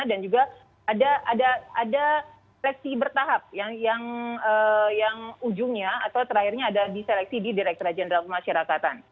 dan juga ada seleksi bertahap yang ujungnya atau terakhirnya ada diseleksi di direktra jenderal masyarakatan